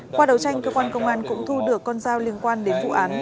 qua đấu tranh cơ quan công an cũng thu được con dao liên quan đến vụ án